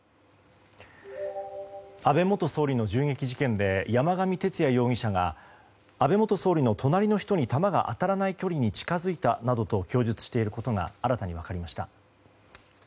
安倍元総理の銃撃事件で山上徹也容疑者が安倍元総理の隣の人に弾が当たらない距離に近付いたなどと供述していることが新たに分かりました。